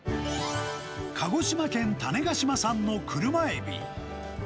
鹿児島県種子島産の車エビ。